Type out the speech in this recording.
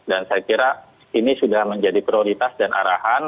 dan saya kira ini sudah menjadi prioritas dan arahan